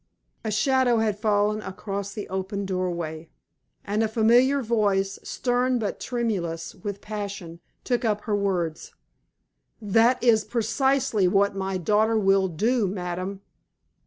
A shadow had fallen across the open doorway, and a familiar voice, stern, but tremulous with passion, took up her words. "That is precisely what my daughter will do, madam!